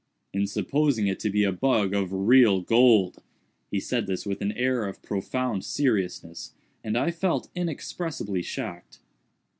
"In supposing it to be a bug of real gold." He said this with an air of profound seriousness, and I felt inexpressibly shocked.